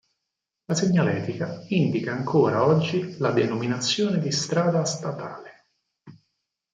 La segnaletica indica ancora oggi la denominazione di strada statale.